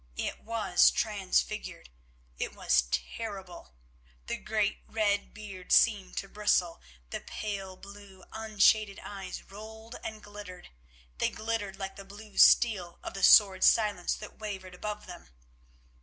It was transfigured, it was terrible. The great red beard seemed to bristle, the pale blue unshaded eyes rolled and glittered, they glittered like the blue steel of the sword Silence that wavered above them.